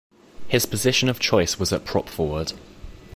His position of choice was at prop-forward.